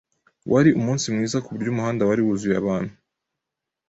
Wari umunsi mwiza kuburyo umuhanda wari wuzuye abantu.